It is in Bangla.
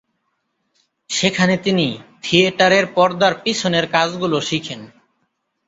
সেখানে তিনি থিয়েটারের পর্দার পিছনের কাজগুলো শিখেন।